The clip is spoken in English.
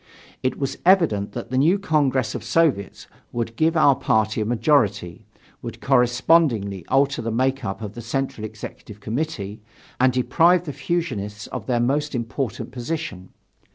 It was evident that the new Congress of Soviets would give our party a majority, would correspondingly alter the make up of the Central Executive Committee, and deprive the fusionists of their most important position.